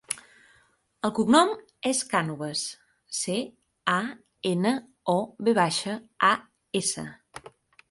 El cognom és Canovas: ce, a, ena, o, ve baixa, a, essa.